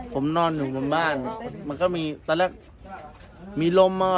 ผมนอนอยู่บนบ้านมันก็มีตอนแรกมีลมมา